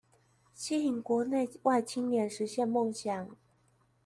吸引國內外青年實現夢想